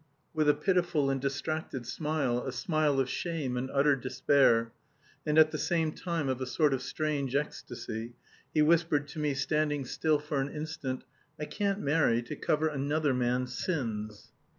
With a pitiful and distracted smile, a smile of shame and utter despair, and at the same time of a sort of strange ecstasy, he whispered to me, standing still for an instant: "I can't marry to cover 'another man's sins'!"